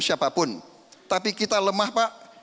siapapun tapi kita lemah pak